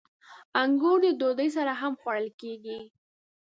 • انګور د ډوډۍ سره هم خوړل کېږي.